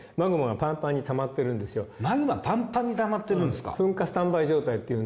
マグマパンパンに溜まってるんですか？